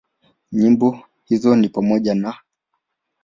Nyimbo hizo ni pamoja na;